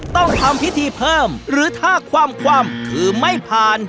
ต้องทำพิธีเพิ่มหรือถ้าคว่ำคือไม่ผ่าน